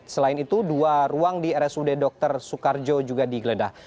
selain itu dua ruang di rsud dr soekarjo juga digeledah